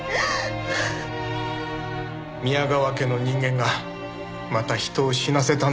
宮川家の人間がまた人を死なせたんです。